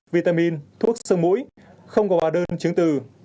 vitamin thuốc sơ mũi không có bà đơn chứng từ